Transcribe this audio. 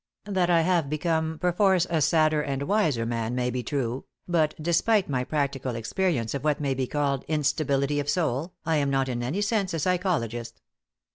That I have become perforce a sadder and wiser man may be true, but, despite my practical experience of what may be called instability of soul, I am not in any sense a psychologist.